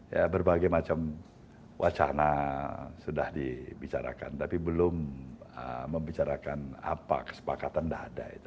ya berbagai macam wacana sudah dibicarakan tapi belum membicarakan apa kesepakatan tidak ada itu